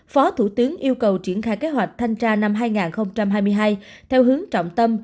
phó thủ tướng yêu cầu triển khai kế hoạch thanh tra năm hai nghìn hai mươi hai theo hướng trọng tâm